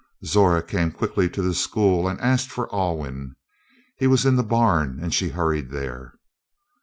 Zora came quickly to the school and asked for Alwyn. He was in the barn and she hurried there.